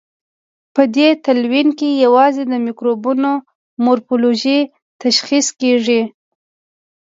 په دې تلوین کې یوازې د مکروبونو مورفولوژي تشخیص کیږي.